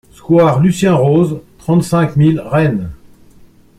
Square Lucien Rose, trente-cinq mille Rennes